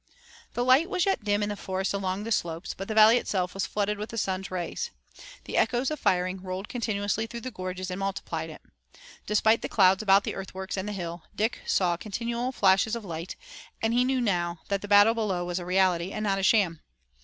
The light was yet dim in the forests along the slopes, but the valley itself was flooded with the sun's rays. The echoes of the firing rolled continuously through the gorges and multiplied it. Despite the clouds about the earthworks and the hill, Dick saw continual flashes of light, and he knew now that the battle below was a reality and not a sham.